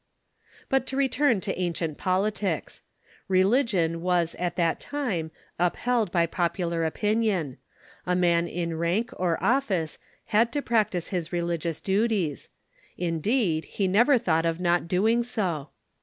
But to return to ancient politics. Religion was at that time upheld by pop ular opinion; a man in rank or office had to practise his religious duties; in deed, he never thought of not doing so.